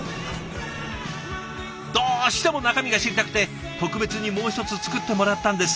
どうしても中身が知りたくて特別にもう一つ作ってもらったんです。